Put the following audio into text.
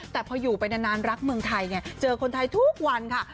แต่พออยู่ไปนานรักเมืองไทยไงเจอคนไทยทุกวันค่ะ